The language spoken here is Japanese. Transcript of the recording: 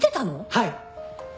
はい。